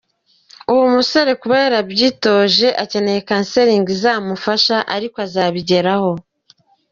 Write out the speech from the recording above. Uwo musore kuba rarabyitoje akeneye counseling izagufata igihe ariko uzabigeraho.